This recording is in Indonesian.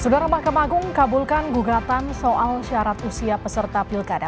sudara mahkamah agung kabulkan gugatan soal syarat usia peserta pilkada